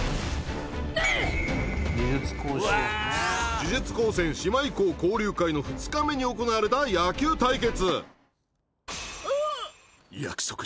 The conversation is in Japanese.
呪術高専姉妹校交流会の２日目に行われた野球対決。